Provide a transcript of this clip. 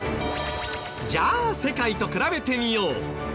じゃあ世界と比べてみよう。